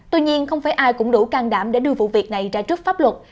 tuy nhiên không phải ai cũng đủ can đảm để đưa vụ việc này ra trước pháp luật